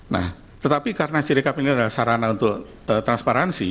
nah tetapi karena sirikap ini adalah sarana untuk transparansi